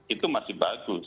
itu masih bagus